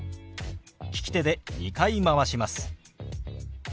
利き手で２回回します。